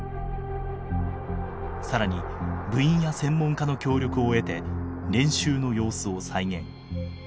更に部員や専門家の協力を得て練習の様子を再現。